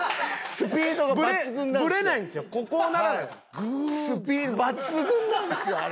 スピード抜群なんですよあれ。